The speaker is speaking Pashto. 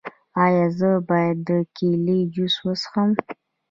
ایا زه باید د کیلي جوس وڅښم؟